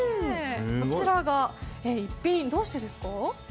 こちらが逸品、どうしてですか？